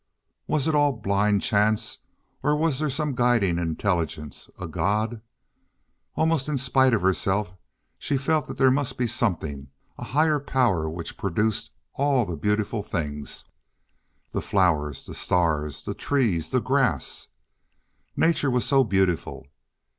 Was it all blind chance, or was there some guiding intelligence—a God? Almost in spite of herself she felt there must be something—a higher power which produced all the beautiful things—the flowers, the stars, the trees, the grass. Nature was so beautiful!